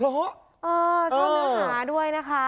ชอบเนื้อหาด้วยนะคะ